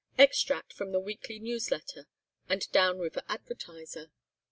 Extract from the Weekly Newsletter and Down River Advertiser.